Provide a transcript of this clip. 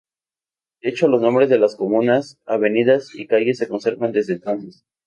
De hecho, los nombres de las comunas, avenidas y calles se conservan desde entonces.